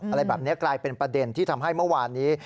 อะไรแบบนี้กลายเป็นประเด็นที่ทำให้เมื่อวานนี้